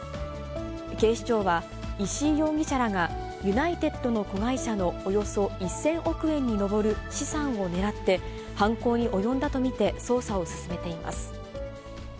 警視庁は、石井容疑者らがユナイテッドの子会社のおよそ１０００億円に上る資産をねらって、犯行に及んだと見て捜査を進めています。